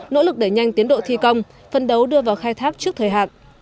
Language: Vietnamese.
nỗ lực để nhanh tiến độ thi công phân đấu đưa vào khai thác trước thời hạn